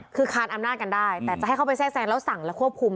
คือคานอำนาจกันได้แต่จะให้เข้าไปแทรกแซงแล้วสั่งและควบคุม